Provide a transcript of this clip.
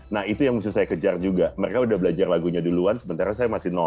nah itu yang bisa saya kejar juga mereka udah belajar lagunya duluan sementara saya masih